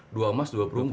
dua emas dua perunggu